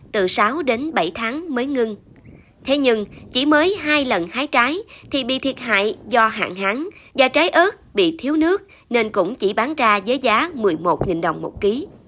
trong năm trước nên cũng chỉ bán ra giới giá một mươi một đồng một ký